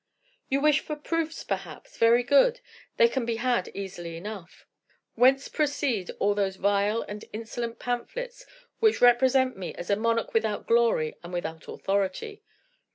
"You wish for proofs, perhaps? Very good; they can be had easily enough. Whence proceed all those vile and insolent pamphlets which represent me as a monarch without glory and without authority?